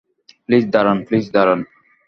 Please দাঁড়ান, please দাঁড়ান।